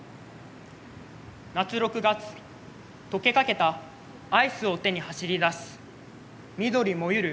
夏六月溶けかけたアイスを手に走り出す緑萌ゆる